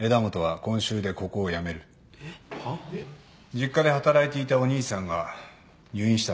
実家で働いていたお兄さんが入院した。